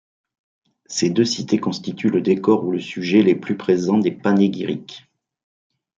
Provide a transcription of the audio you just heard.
Ces deux cités constituent le décor ou le sujet les plus présents des panégyriques.